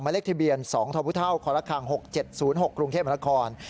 มาเล็กที่เบียน๒ธพุท่าวคละครัง๖๗๐๖กรุงเทพมหาละคร